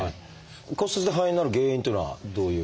骨折で肺炎になる原因っていうのはどういう。